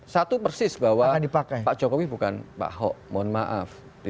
satu persis bahwa pak jokowi bukan pak ahok mohon maaf